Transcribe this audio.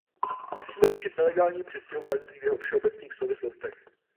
Musíme řešit nelegální přistěhovalectví v jeho všeobecných souvislostech.